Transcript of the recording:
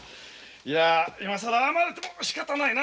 いや今更謝られてもしかたないな。